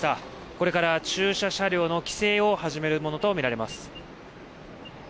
これから駐車車両の規制を始めるものとみられます。